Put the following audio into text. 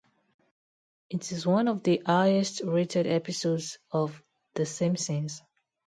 It is one of the highest rated episodes of "The Simpsons".